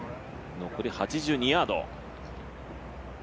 残り８２ヤード。